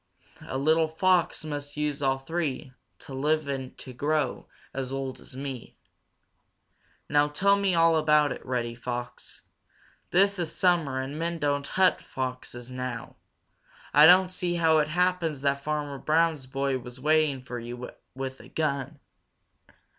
"A little Fox must use all three To live to grow as old as me. "Now tell me all about it, Reddy Fox. This is summer and men don't hunt foxes now. I don't see how it happens that Farmer Brown's boy was waiting for you with a gun."